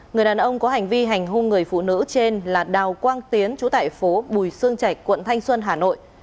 người đàn ông có hành vi hành hung người phụ nữ trên là đào quang tiến chú tải phố bùi sương chạch quận thanh xuân hà nội